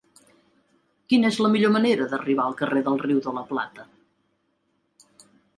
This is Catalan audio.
Quina és la millor manera d'arribar al carrer del Riu de la Plata?